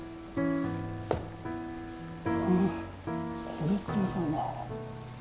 これくらいかな。